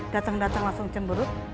datang datang langsung cemberut